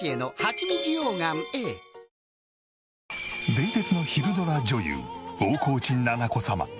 伝説の昼ドラ女優大河内奈々子様。